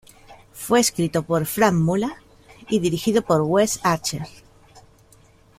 Fue escrito por Frank Mula y dirigido por Wes Archer.